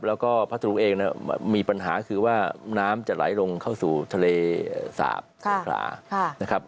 แล้วก็พัทรุงเองมีปัญหาคือว่าน้ำจะไหลลงเข้าสู่ทะเลสาบของขลา